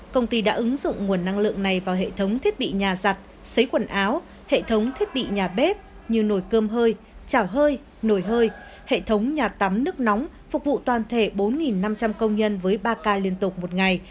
công ty đã ứng dụng nguồn năng lượng này vào hệ thống thiết bị nhà giặt xấy quần áo hệ thống thiết bị nhà bếp như nồi cơm hơi chảo hơi nồi hơi hệ thống nhà tắm nước nóng phục vụ toàn thể bốn năm trăm linh công nhân với ba ca liên tục một ngày